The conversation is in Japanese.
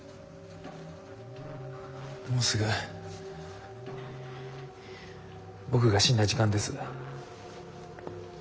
もうすぐ僕が死んだ時間です。